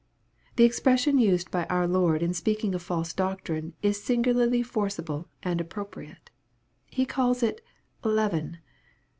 The expression used by our Lord in speaking of false doctrine is singularly forcible and appropriate. He calls it " leaven."